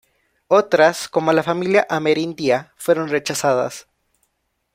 Otras, como la familia amerindia, fueron rechazadas.